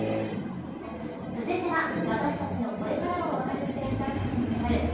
続いては私たちのこれからを明るく照らすアクションに迫る＃